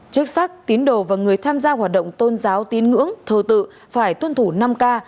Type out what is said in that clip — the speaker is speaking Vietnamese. chức sắc tín đồ và người tham gia hoạt động tôn giáo tín ngưỡng thờ tự phải tuân thủ năm k